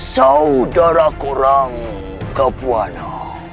saudara kurang kapuana